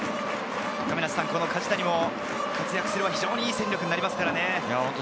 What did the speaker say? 梶谷も活躍すれば、いい戦力になりますからね。